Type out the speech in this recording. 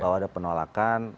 bahwa ada penolakan